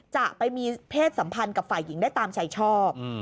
จะไปมีเพศสัมพันธ์กับฝ่ายหญิงได้ตามใจชอบ